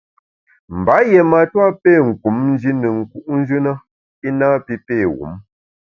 Mba yié matua pé kum Nji ne nku’njù na i napi pé wum.